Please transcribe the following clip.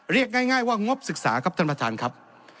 เรียกง่ายว่างบศึกษาครับท่านประธานครับ